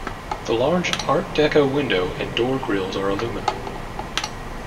The large Art Deco window and door grilles are aluminum.